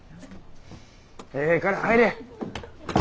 ・ええから入れ。